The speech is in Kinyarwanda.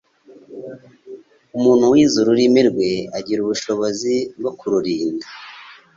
Umuntu wize ururimi rwe agira ubushobozi bwo kururinda